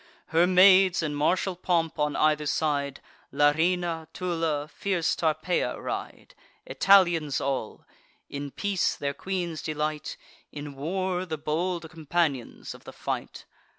Her maids, in martial pomp, on either side, Larina, Tulla, fierce Tarpeia, ride: Italians all; in peace, their queen's delight; In war, the bold companions of the fight.